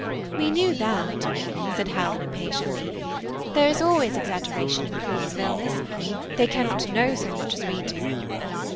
" We knew that," said Helen, impatiently. " There is always exaggeration in reports of illness. They cannot know so much as we do.